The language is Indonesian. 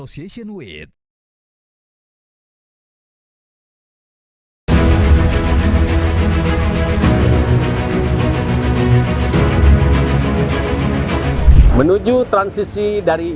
sebelum masuk ke siaga tiga